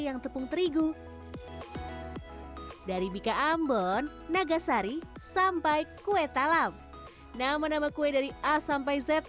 yang tepung terigu dari bika ambon nagasari sampai kue talam nama nama kue dari a sampai z